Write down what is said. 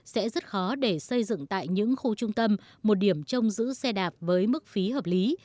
sẽ rất khó để xây dựng tại những khu trung tâm một điểm trông giữ xe đạp với mức phí hợp lý